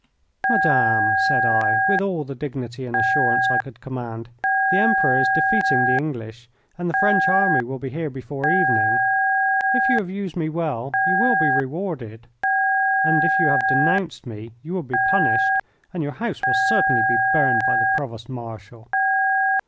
"Madame," said I, with all the dignity and assurance I could command, "the Emperor is defeating the English, and the French army will be here before evening. If you have used me well you will be rewarded, and if you have denounced me you will be punished and your house will certainly be burned by the provost martial."